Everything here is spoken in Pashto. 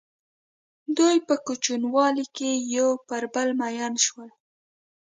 دوی په کوچنیوالي کې په یو بل مئین شول.